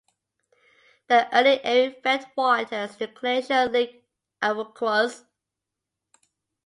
The early Erie fed waters to Glacial Lake Iroquois.